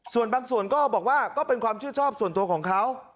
ส่วนบางส่วนก็บอกว่าก็เป็นความชื่นชอบส่วนตัวของเขา